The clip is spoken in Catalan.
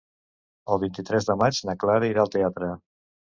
El vint-i-tres de maig na Clara irà al teatre.